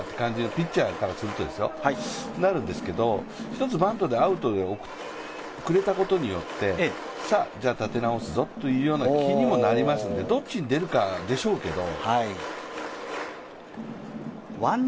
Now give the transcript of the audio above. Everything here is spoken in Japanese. ピッチャーからするとなるんですけど、１つバントでアウトくれたことによって、じゃあ立て直すぞという気にもなるので、どっちに出るかでしょうけど。